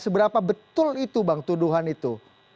seberapa betul itu bang tuduhan itu